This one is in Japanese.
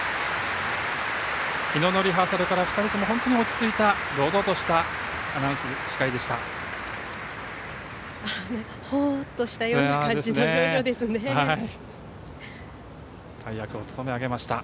昨日のリハーサルから本当に２人とも落ち着いた、堂々としたアナウンス、司会でした。